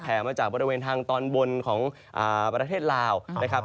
มาจากบริเวณทางตอนบนของประเทศลาวนะครับ